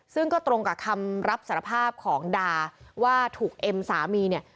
ซึ่งก็ตรงกับคำรับสารภาพของดาว่าถูกเอ็มสามีเนี่ย